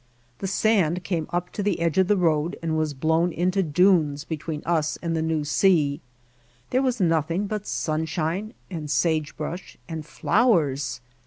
The sand came up to the edge of the road and was blown into dunes between us and the new sea. There was nothing but sunshine and sagebrush and flowers.